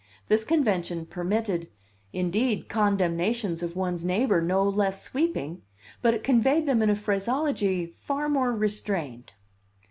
This convention permitted, indeed, condemnations of one's neighbor no less sweeping, but it conveyed them in a phraseology far more restrained.